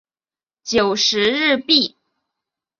九十日币